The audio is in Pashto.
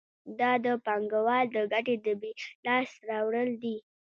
دا د پانګوال د ګټې د بیې لاس ته راوړل دي